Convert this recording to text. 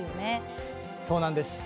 そうなんです。